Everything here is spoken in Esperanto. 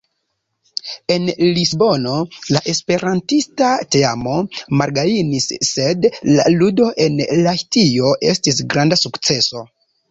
En Lisbono la esperantista teamo malgajnis, sed la ludo en Lahtio estis granda sukceso.